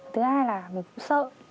thứ hai là mình sợ